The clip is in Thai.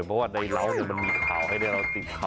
เพราะว่าในเหล้ามันมีข่าวให้ได้เราติดข่าว